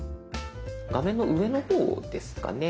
画面の上の方ですかね。